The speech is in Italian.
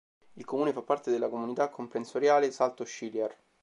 Il comune fa parte della comunità comprensoriale Salto-Sciliar.